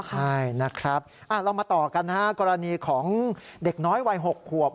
ใช่นะครับเรามาต่อกันกรณีของเด็กน้อยวัย๖ขวบ